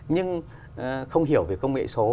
nhưng không hiểu về công nghệ số